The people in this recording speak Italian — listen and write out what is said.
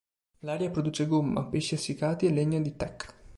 L'aria produce gomma, pesci essiccati e legno di teak.